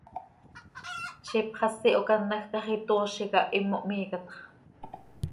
Ziix ipxasi hocanaj quih hax itoozi cah, himo hmiicatx.